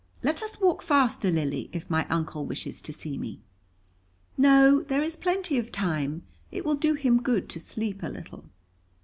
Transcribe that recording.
"Let us walk faster, Lily, if my Uncle wishes to see me." "No, there is plenty of time. It will do him good to sleep a little."